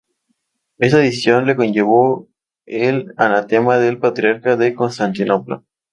Esta decisión le conllevó el anatema del Patriarca de Constantinopla.